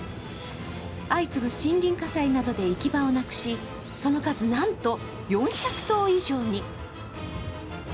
相次ぐ森林火災などで行き場をなくしその数なんと４００頭以上に。